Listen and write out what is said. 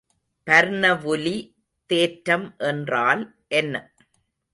பர்னவுலி தேற்றம் என்றால் என்ன?